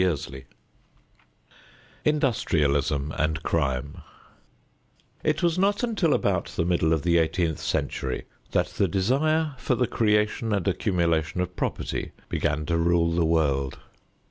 XXVIII INDUSTRIALISM AND CRIME It was not until about the middle of the eighteenth century that the desire for the creation and accumulation of property began to rule the world.